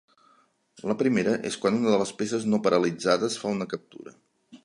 La primera és quan una de les peces no paralitzades fa una captura.